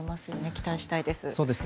期待したいです。